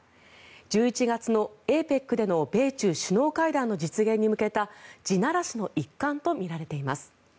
１１月のＡＰＥＣでの米中首脳会談の実現に向けた地ならしの一環とみられています。